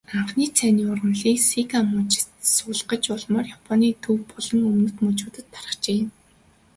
Анхны цайны ургамлыг Сига мужид суулгаж, улмаар Японы төв болон өмнөд мужуудад тархжээ.